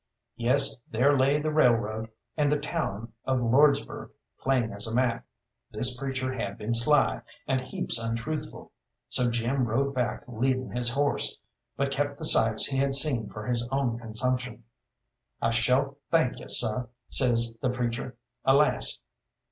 Yes, there lay the railroad, and the town of Lordsburgh, plain as a map. This preacher had been sly, and heaps untruthful, so Jim rode back leading his horse, but kept the sights he had seen for his own consumption. "I suah thank y'u, seh," says the preacher. "Alas!